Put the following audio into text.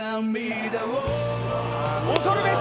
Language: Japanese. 恐るべし！